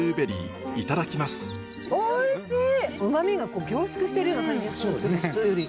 うまみが凝縮しているような感じがするんですけど普通より。